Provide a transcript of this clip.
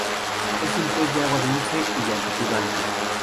Es un pez de agua dulce y de altitud alta.